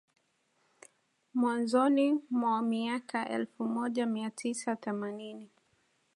mwanzoni mwa miaka ya elfu moja mia tisa themanini